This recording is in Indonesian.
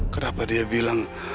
kenapa dia bilang